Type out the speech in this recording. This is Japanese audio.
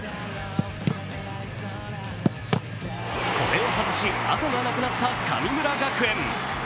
これは外し、あとがなくなった神村学園。